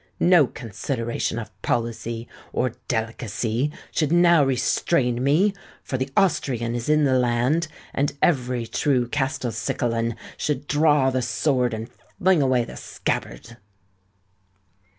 No consideration of policy or delicacy should now restrain me; for the Austrian is in the land, and every true Castelcicalan should draw the sword and fling away the scabbard!"